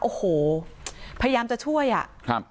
โอ้โหพยายามจะช่วยอ่ะครับ